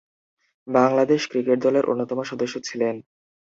Bangladesh cricket দলের অন্যতম সদস্য ছিলেন।